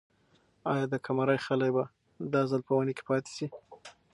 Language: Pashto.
آیا د قمرۍ خلی به دا ځل په ونې کې پاتې شي؟